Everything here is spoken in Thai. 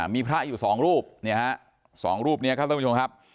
มีพระอยู่สองรูปสองรูปนี้ครับท่านผู้ชมครับ